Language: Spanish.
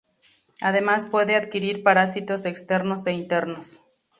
Además puede adquirir parásitos externos e internos.